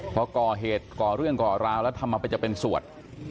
พอก่อเหตุก่อเรื่องก่อราวแล้วทำมาเป็นจะเป็นสวด